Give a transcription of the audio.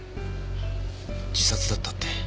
自殺だったって。